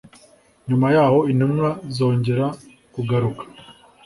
Nyuma yaho intumwa zongera kugaruka